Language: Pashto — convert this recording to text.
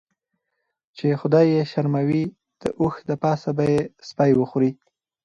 چی خدای یی شرموي داوښ دپاسه به یی سپی وخوري .